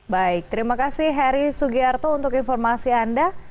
baik terima kasih harry sugiarto untuk informasi anda